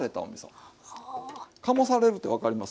醸されるって分かります？